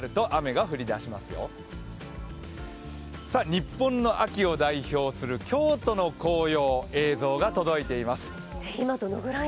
日本の秋を代表する京都の紅葉の映像が届いています。